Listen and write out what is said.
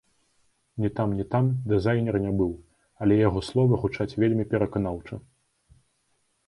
Ні там, ні там дызайнер не быў, але яго словы гучаць вельмі пераканаўча!